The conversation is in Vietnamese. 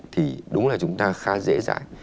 thì đúng là chúng ta khá dễ dãi